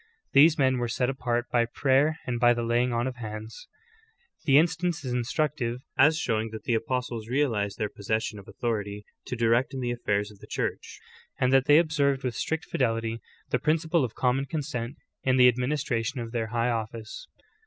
These men were set apart by prayer and by P Acts 9: 5; read verses 1 22. 9 Acts 13: 1 3. THE CHURCH ESTABLISHED. 9 the laying on of hands/ The instance is instructive as showing that the apostles realized their possession of au thority to direct in the affairs of the Church, and that they observed with strict fidelity the principle of common consent in the administration of their high office.